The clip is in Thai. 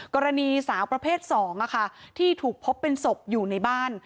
กรณีสาวประเภท๒ที่ถูกพบเป็นศพอยู่ในบ้าน